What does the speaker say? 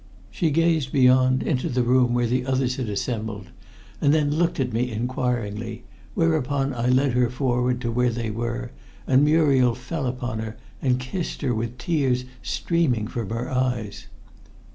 She gazed beyond into the room where the others had assembled, and then looked at me inquiringly, whereupon I led her forward to where they were, and Muriel fell upon her and kissed her with tears streaming from her eyes.